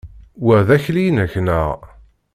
Wa d akli-inek, neɣ?